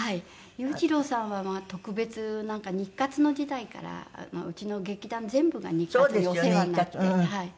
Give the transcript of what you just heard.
裕次郎さんは特別なんか日活の時代からうちの劇団全部が日活にお世話になっていましたから。